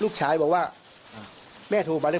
อยากเจอนางค่ะก็ไม่ได้สนใจอะไร